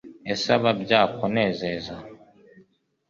ese aba byakunezeza